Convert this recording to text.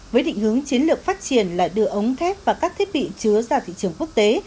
với định hướng chiến lược phát triển là đưa ống thép và các thiết bị chứa ra thị trường quốc tế